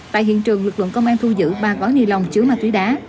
tại hiện trường lực lượng công an thu giữ ba gói ni lông chứa ma túy đá